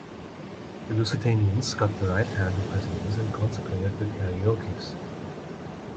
The Lusitanians cut the right hand of prisoners and consecrated it to Cariocecus.